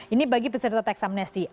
ini bagi peserta teksamnesti